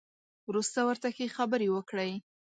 وروسته ورته ښې خبرې وکړئ.